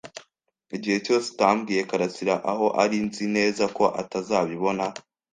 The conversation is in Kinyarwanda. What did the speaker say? Igihe cyose utabwiye karasira aho ari, nzi neza ko atazabibona.